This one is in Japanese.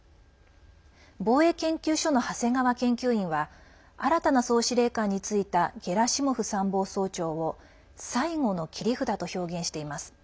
防衛研究所の長谷川研究員は新たな総司令官に就いたゲラシモフ参謀総長を最後の切り札と表現しています。